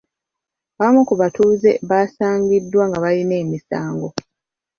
Abamu ku batuuze baasangiddwa nga balina emisango.